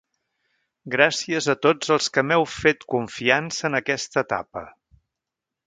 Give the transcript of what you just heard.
Gràcies a tots els que m’heu fet confiança en aquesta etapa.